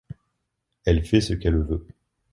Elle fait ce qu’elle veut.